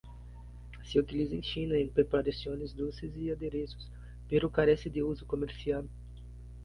Se utiliza en China en preparaciones dulces y aderezos, pero carece de uso comercial.